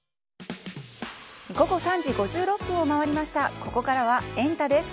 ここからはエンタ！です。